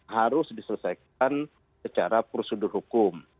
harus diselesaikan secara prosedur hukum